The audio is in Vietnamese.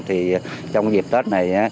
thì trong dịp tết này